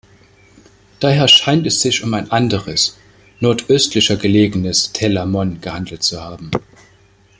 Daher scheint es sich um ein anderes, nordöstlicher gelegenes "Telamon" gehandelt haben.